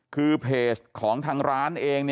คือเพจของทางร้านเอง